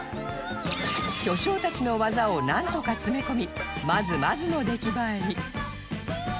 巨匠たちの技をなんとか詰め込みまずまずの出来栄えに